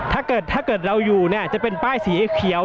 ถ้าเกิดเราอยู่เนี่ยจะเป็นป้ายสีเขียว